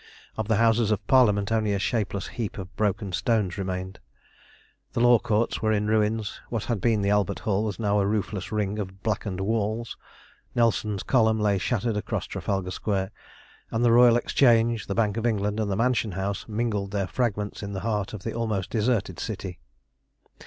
Of the Houses of Parliament only a shapeless heap of broken stones remained, the Law Courts were in ruins, what had been the Albert Hall was now a roofless ring of blackened walls, Nelson's Column lay shattered across Trafalgar Square, and the Royal Exchange, the Bank of England, and the Mansion House mingled their fragments in the heart of the almost deserted city.